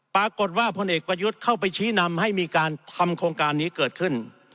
ปรากฏว่าพลเอกประยุทธ์เข้าไปชี้นำให้มีการทำโครงการนี้เกิดขึ้น